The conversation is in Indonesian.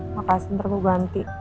makasih ntar gue ganti